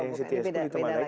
oh beda lagi